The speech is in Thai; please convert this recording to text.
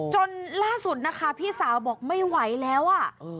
จนล่าสุดนะคะพี่สาวบอกไม่ไหวแล้วอ่ะ